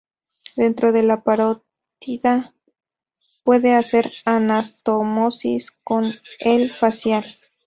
Dentro de la parótida puede hacer anastomosis con el facial.